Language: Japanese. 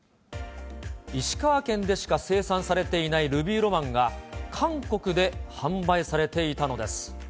石川県でしか生産されていないルビーロマンが、韓国で販売されていたのです。